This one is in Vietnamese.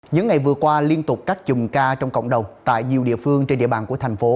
những ngày vừa qua liên tục các chùm ca trong cộng đồng tại nhiều địa phương trên địa bàn của thành phố